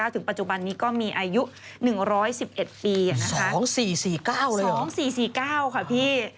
ถึงปัจจุบันนี้ก็มีอายุ๑๑๑ปี๒๔๔๙เลย๒๔๔๙ค่ะพี่